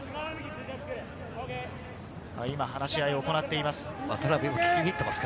今、話し合いを行っています。